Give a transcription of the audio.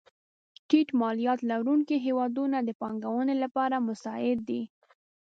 ټیټ مالیات لرونکې هېوادونه د پانګونې لپاره مساعد دي.